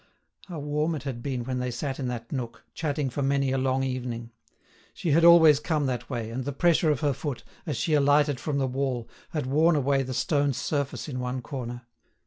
How warm it had been when they sat in that nook, chatting for many a long evening! She had always come that way, and the pressure of her foot, as she alighted from the wall, had worn away the stone's surface in one corner.